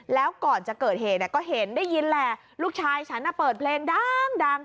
แล้วก่อนจะเกิดเหตุก็เห็นได้ยินแหละลูกชายฉันเปิดเพลงดัง